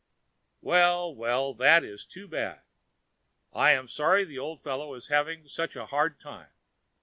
"Well, well, that is too bad! I am sorry the old fellow is having such a hard time.